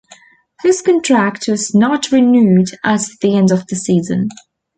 His contract was not renewed at the end of the season.